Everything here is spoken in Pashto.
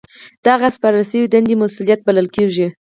دغه سپارل شوې دنده مسؤلیت بلل کیږي.